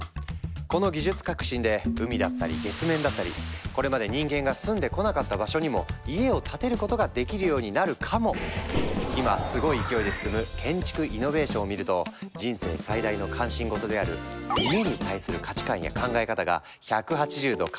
この技術革新で海だったり月面だったりこれまで人間が住んでこなかった場所にも家を建てることができるようになるかも⁉今すごい勢いで進む建築イノベーションを見ると人生最大の関心事である「家」に対する価値観や考え方が１８０度変わっちゃう！